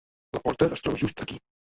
La porta es troba just aquí.